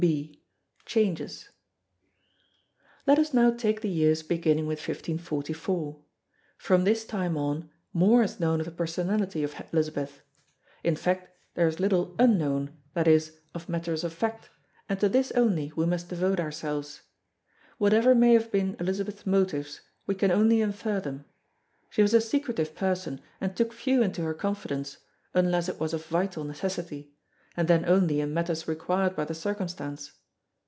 (b) Changes Let us now take the years beginning with 1544. From this time on, more is known of the personality of Elizabeth; in fact there is little unknown, that is, of matters of fact, and to this only we must devote ourselves. Whatever may have been Elizabeth's motives we can only infer them. She was a secretive person and took few into her confidence, unless it was of vital necessity and then only in matters required by the circumstance.